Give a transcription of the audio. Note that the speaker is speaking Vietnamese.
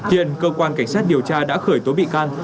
hiện cơ quan cảnh sát điều tra đã khởi tố bị can